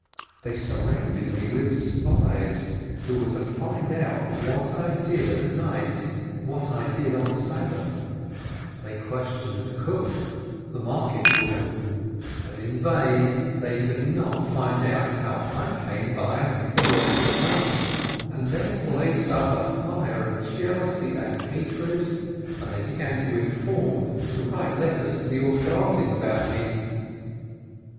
They surrounded me with spies, who were to find out what I did at night, what I 3 30 JEHALEL did on Sabbath; they questioned the cook, the market woman ; but in vain, they could not find out how I came by the world to come. And there blazed up a fire of jealousy and hatred, and they began to inform, to write letters to the authorities about me.